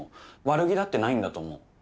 悪気だってないんだと思う。